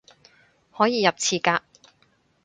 可以入廁格